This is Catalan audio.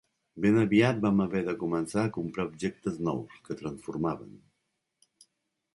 Ben aviat vam haver de començar a comprar objectes nous, que transformàvem.